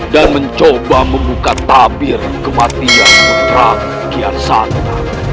dan mencoba membuka tabir kematian putraku kian sata